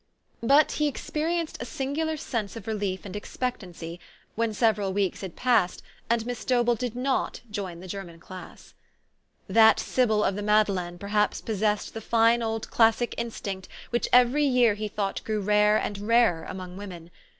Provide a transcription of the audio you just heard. But he experienced a singular sense of relief and expectancy, when several weeks had passed, and Miss Dobell did not join the German class. That sib} 7 ! of the Madeleine perhaps possessed the fine old classic instinct which every year he thought grew rare and rarer among women.